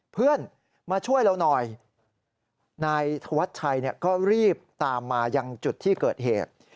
เพื่อนมาช่วยเราหน่อยนายธวัชชัยก็รีบตามมายังจุดที่เกิดเหตุ